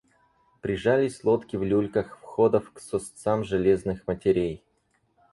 Прижались лодки в люльках входов к сосцам железных матерей.